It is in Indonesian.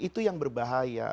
jadi itu yang berbahaya